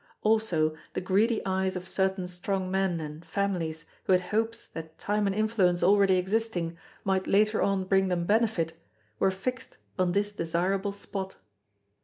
Also the greedy eyes of certain strong men and families who had hopes that time and influence already existing, might later on bring them benefit, were fixed on this desirable spot.